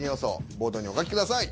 ボードにお書きください。